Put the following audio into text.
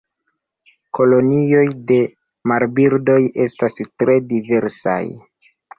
Kolonioj de marbirdoj estas tre diversaj.